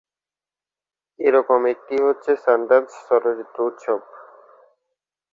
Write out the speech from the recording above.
এরকম একটি হচ্ছে সানড্যান্স চলচ্চিত্র উৎসব।